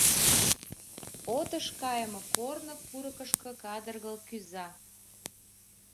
Отыш кайыме корно курыкышко кадыргыл кӱза.